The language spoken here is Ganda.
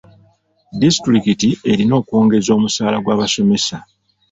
Disitulikiti erina okwongeza omusaala gw'abasomesa.